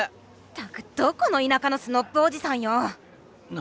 たくどこの田舎のスノッブおじさんよ！